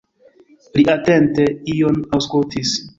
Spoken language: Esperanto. Li atente ion aŭskultis.